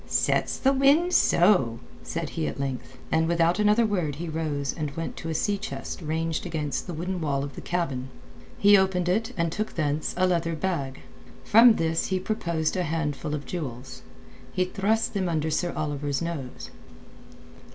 "Sets the wind so!" said he at length, and without another word he rose and went to a sea chest ranged against the wooden wall of the cabin. He opened it and took thence a leather bag. From this he produced a handful of jewels. He thrust them under Sir Oliver's nose.